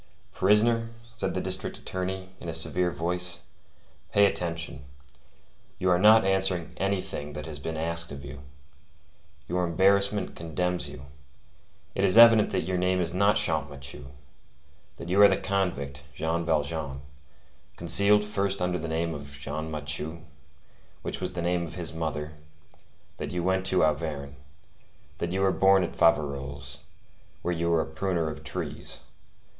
"Prisoner," said the district attorney, in a severe voice; "pay attention. You are not answering anything that has been asked of you. Your embarrassment condemns you. It is evident that your name is not Champmathieu; that you are the convict, Jean Valjean, concealed first under the name of Jean Mathieu, which was the name of his mother; that you went to Auvergne; that you were born at Faverolles, where you were a pruner of trees.